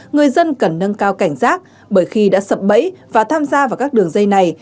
người dân cần nâng cao cảnh giác bởi khi đã sập bẫy và tham gia vào các đường dây này